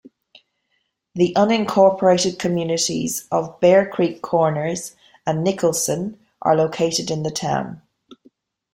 The unincorporated communities of Bear Creek Corners and Nicholson are located in the town.